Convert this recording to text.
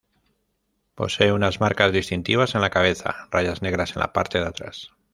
Posee unas marcas distintivas en la cabeza, rayas negras en la parte de atrás.